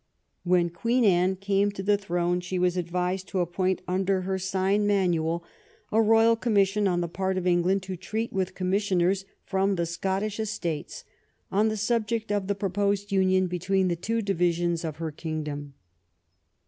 When Queen Anne came to the throne she was advised to appoint under her sign manual a royal commission on the part of Eng land to treat with commissioners from the Scottish Estates on the subject of the proposed union between the two divisions of her kingdom.